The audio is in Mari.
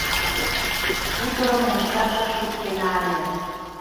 — Хуторым мучашыш шуктена ыле.